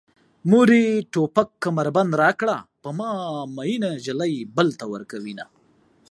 مورې توپک کمربند راکړه په ما مينه نجلۍ بل ته ورکوينه